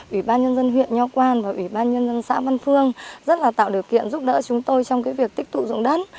ủy ban nhân dân huyện nho quan và ủy ban nhân dân xã văn phương rất là tạo điều kiện giúp đỡ chúng tôi trong việc tích tụ dụng đất